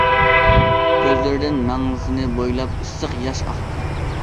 كۆزلىرىدىن مەڭزىنى بويلاپ ئىسسىق ياش ئاقتى.